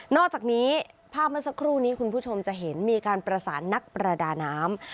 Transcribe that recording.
อกจากนี้ภาพเมื่อสักครู่นี้คุณผู้ชมจะเห็นมีการประสานนักประดาน้ำ